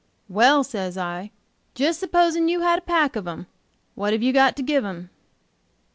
'Well,' says I, supposing you had a pack of, 'em, what have you got to give 'em?'